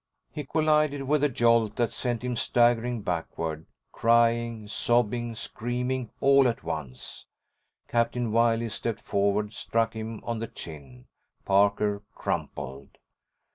He collided with a jolt that sent him staggering backward, crying, sobbing, screaming, all at once. Captain Wiley stepped forward, struck him on the chin. Parker crumpled.